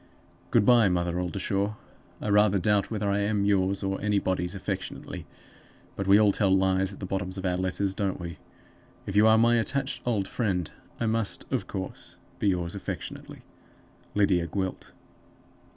"Good by, Mother Oldershaw. I rather doubt whether I am yours, or anybody's, affectionately; but we all tell lies at the bottoms of our letters, don't we? If you are my attached old friend, I must, of course, be yours affectionately. "LYDIA GWILT.